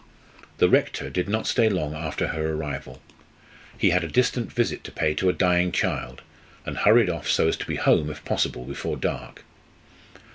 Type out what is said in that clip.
The Rector did not stay long after her arrival. He had a distant visit to pay to a dying child, and hurried off so as to be home, if possible, before dark.